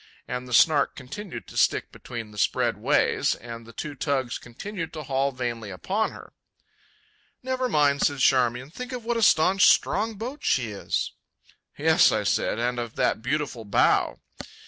And the Snark continued to stick between the spread ways, and the two tugs continued to haul vainly upon her. "Never mind," said Charmian, "think of what a staunch, strong boat she is." "Yes," said I, "and of that beautiful bow."